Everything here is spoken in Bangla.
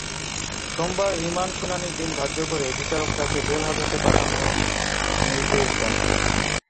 সোমবার রিমান্ড শুনানির দিন ধার্য করে বিচারক তাঁকে জেলহাজতে পাঠানোর নির্দেশ দেন।